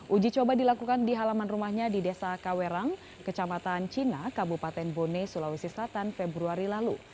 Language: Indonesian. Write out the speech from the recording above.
uji coba dilakukan di halaman rumahnya di desa kawerang kecamatan cina kabupaten bone sulawesi selatan februari lalu